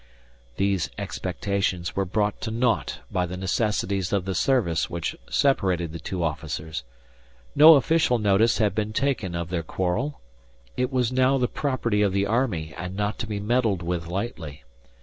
These expectations were brought to naught by the necessities of the service which separated the two officers. No official notice had been taken of their quarrel. It was now the property of the army, and not to be meddled with lightly.